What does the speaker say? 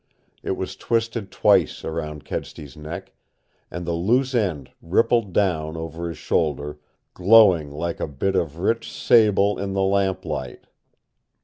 It was twisted twice around Kedsty's neck, and the loose end rippled down over his shoulder, GLOWING LIKE A BIT OF RICH SABLE IN THE LAMPLIGHT.